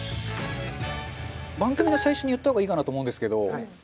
番組の最初に言った方がいいかなと思うんですけど正直中丸さん？